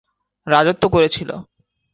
রাজত্ব করেছিল।